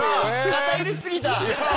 肩入れしすぎた。